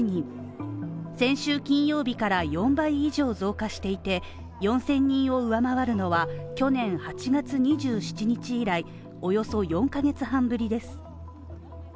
先週金曜日から４倍以上増加していて、４０００人を上回るのは去年８月２７日以来、およそ４ヶ月半ぶりです